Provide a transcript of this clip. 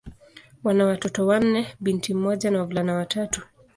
Wana watoto wanne: binti mmoja na wavulana watatu.